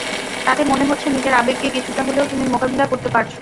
তাতে মনে হচ্ছে নিজের আবেগকে কিছুটা হলেও তুমি মোকাবিলা করতে পারছ।